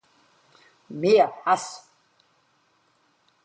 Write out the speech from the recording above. Mehr Hass!